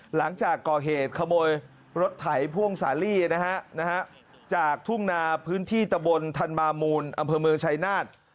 หลังจากก่อเหตุขโมยรถไถพ่วงสาลีนะฮะจากทุ่งนาพื้นที่ตะบนธันมามูลอำเภอเมืองชายนาฏ